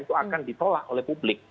itu akan ditolak oleh publik